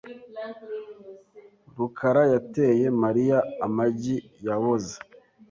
rukara yateye Mariya amagi yaboze .